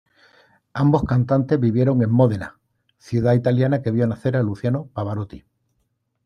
Ambos cantantes vivieron en Módena, ciudad italiana que vio nacer a Luciano Pavarotti.